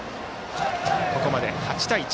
ここまで８対１。